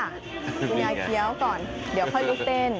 ไหมฮะเคี้ยวก่อนเดี๋ยวลุกเต้น